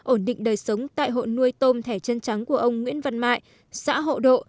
ổn định đời sống tại hộ nuôi tôm thẻ chân trắng của ông nguyễn văn mại xã hộ độ